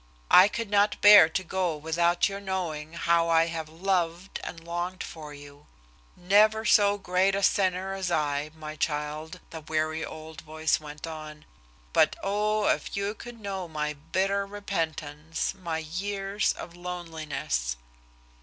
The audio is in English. I could not bear to go without your knowing how I have loved and longed for you. "Never so great a sinner as I, my child," the weary old voice went on, "but, oh, if you could know my bitter repentance, my years of loneliness."